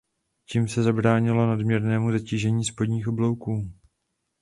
Tím se zabránilo nadměrnému zatížení spodních oblouků.